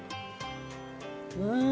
うん！